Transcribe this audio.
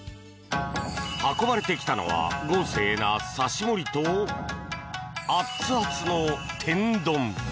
運ばれてきたのは豪勢な刺し盛とアツアツの天丼。